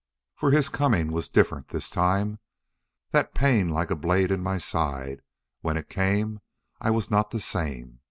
For his coming was different this time. That pain like a blade in my side!... When it came I was not the same.